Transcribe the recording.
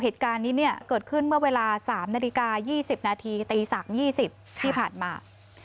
เหตุการณ์นี้เนี้ยเกิดขึ้นเมื่อเวลาสามนาฬิกายี่สิบนาทีตีสักยี่สิบที่ผ่านมา